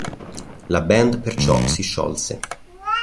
La band perciò si sciolse.